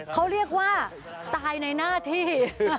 เขาเรียกว่าตายในหน้าที่